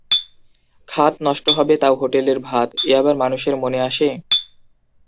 খাত নষ্ট হবে তাও হোটেলের ভাত, এ আবার মানুষের মনে আসে?